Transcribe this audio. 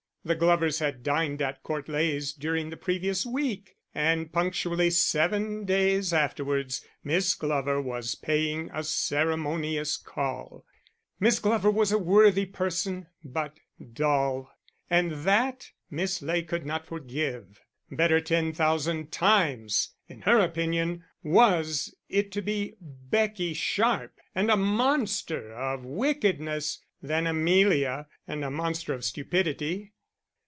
The Glovers had dined at Court Leys during the previous week, and punctually seven days afterwards Miss Glover was paying a ceremonious call. Miss Glover was a worthy person, but dull; and that Miss Ley could not forgive. Better ten thousand times, in her opinion, was it to be Becky Sharp and a monster of wickedness than Amelia and a monster of stupidity.